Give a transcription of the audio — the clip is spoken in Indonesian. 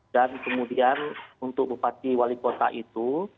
dan kemudian untuk bupati wali kota itu